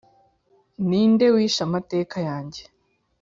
ninde wishe amateka yanjye?